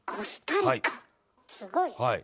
すごい。